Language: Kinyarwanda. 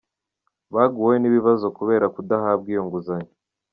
Baguweho n’ibibazo kubera kudahabwa iyo nguzanyo.